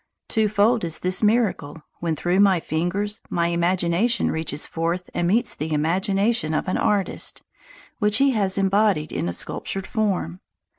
Twofold is the miracle when, through my fingers, my imagination reaches forth and meets the imagination of an artist which he has embodied in a sculptured form.